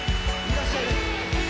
いらっしゃい。